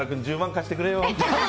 貸してくれよ。